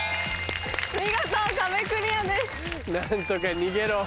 見事壁クリアです。